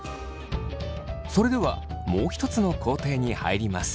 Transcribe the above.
それではもう一つの工程に入ります。